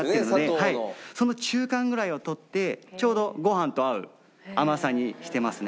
その中間ぐらいをとってちょうどご飯と合う甘さにしてますね。